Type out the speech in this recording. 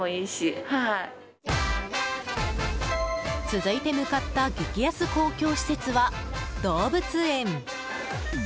続いて向かった激安公共施設は動物園。